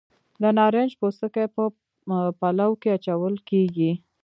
د نارنج پوستکي په پلو کې اچول کیږي.